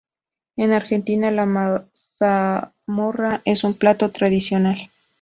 En Argentina, la mazamorra es un plato tradicional.